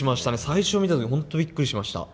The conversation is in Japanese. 最初見た時本当びっくりしました。